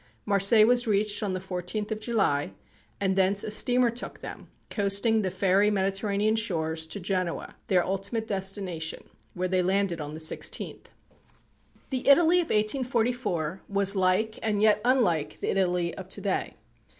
Marseilles was reached on the 14th of July, and thence a steamer took them, coasting the fairy Mediterranean shores, to Genoa, their ultimate destination, where they landed on the 16th. The Italy of 1844 was like, and yet unlike the Italy of to day.